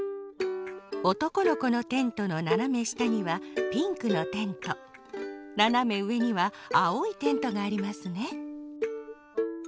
おとこのこのテントのななめしたにはピンクのテントななめうえにはあおいテントがありますね。